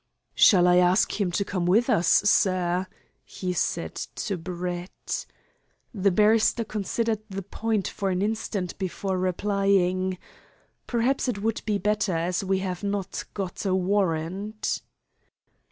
"Shall I ask him to come with us, sir?" he said to Brett. The barrister considered the point for an instant before replying: "Perhaps it would be better, as we have not got a warrant."